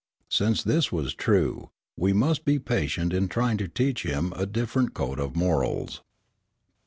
Since this was true, we must be patient in trying to teach him a different code of morals.